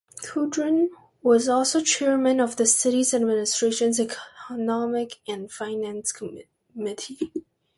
Kudrin was also Chairman of the City Administration's Economic and Finance Committee.